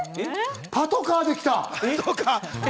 パトカーで来た。